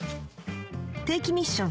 定期ミッション